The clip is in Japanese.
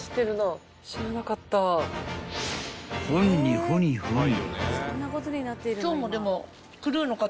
［ほんにほにほに］